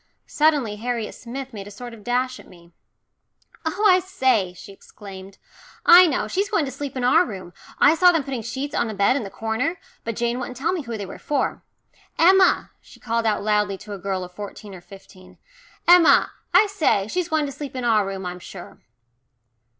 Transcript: Suddenly Harriet Smith made a sort of dash at me. "Oh, I say," she exclaimed. "I know. She's going to sleep in our room. I saw them putting sheets on the bed in the corner, but Jane wouldn't tell me who they were for. Emma," she called out loudly to a girl of fourteen or fifteen, "Emma, I say, she's going to sleep in our room I'm sure."